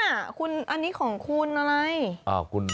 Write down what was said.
อันนี้ของคุณอะไร